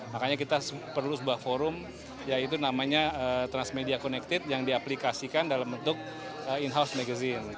makanya kita perlu sebuah forum yaitu namanya transmedia connected yang diaplikasikan dalam bentuk in house magazine